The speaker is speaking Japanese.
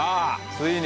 ついに。